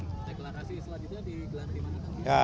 deklarasi selanjutnya di gelar di mana